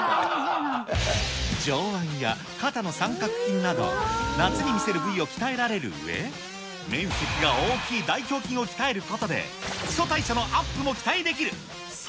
上腕や肩の三角筋など夏に見せる部位を鍛えられるうえ、面積が大きい大胸筋を鍛えることで、基礎代謝のアップも期待できる。